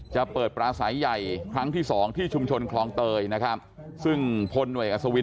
จะเปิดปลาสายย่อยครั้งที่๒ที่ชุมชนคลองเตยนะครับซึ่งพลเอกอาศวิน